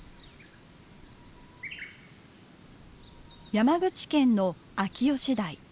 山口県の秋吉台。